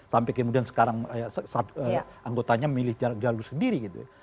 sampai kemudian sekarang anggotanya memilih jalur sendiri gitu